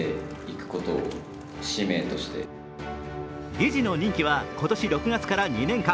理事の任期は今年６月から２年間。